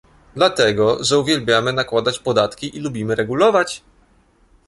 Dlatego, że uwielbiamy nakładać podatki i lubimy regulować